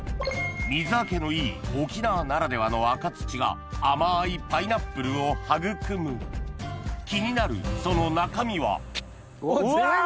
水はけのいい沖縄ならではの赤土が甘いパイナップルを育む気になるその中身はうわ！